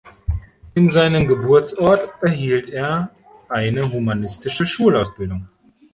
In seinem Geburtsort erhielt er eine humanistische Schulausbildung.